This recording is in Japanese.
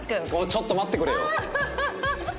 ちょっと待ってくれよ。